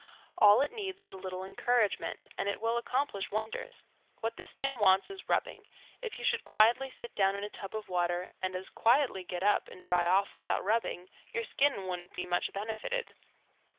All it needs is a little encouragement and it will accomplish wonders. What the skin wants is rubbing. If you should quietly sit down in a tub of water and as quietly get up and dry off without rubbing, your skin wouldn't be much benefited.